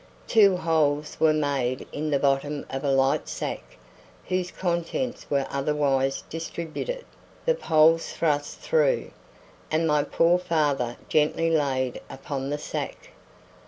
Two holes were made in the bottom of a light sack whose contents were otherwise distributed, the poles thrust through, and my poor father gently laid upon the sack.